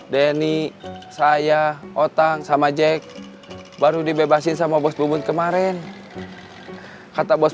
dia pegang kekuasaan karena situasi